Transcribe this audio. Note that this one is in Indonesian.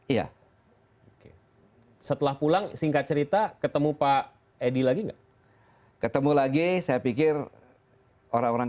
iya oke setelah pulang singkat cerita ketemu pak edi lagi enggak ketemu lagi saya pikir orang orang